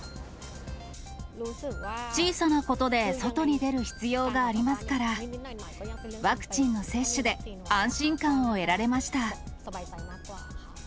小さなことで外に出る必要がありますから、ワクチンの接種で安心感を得られました。